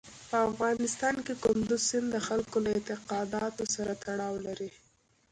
په افغانستان کې کندز سیند د خلکو له اعتقاداتو سره تړاو لري.